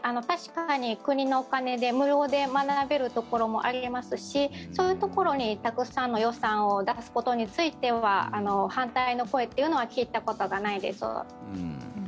確かに国のお金で無料で学べるところもありますしそういうところにたくさんの予算を出すことについては反対の声っていうのは聞いたことがないです。